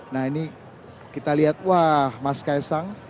nah ini kita lihat wah mas kaisang